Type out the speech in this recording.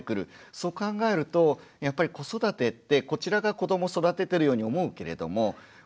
そう考えるとやっぱり子育てってこちらが子ども育ててるように思うけれどもそうですね。